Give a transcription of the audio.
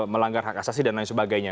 melanggar hak asasi dan lain sebagainya